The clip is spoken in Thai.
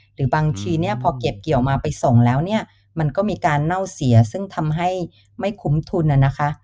หรือบางทีเนี่ยพอเก็บเกี่ยวมาไปส่งแล้วเนี่ยมันก็มีการเน่าเสียซึ่งทำให้ไม่คุ้มทุนนะคะ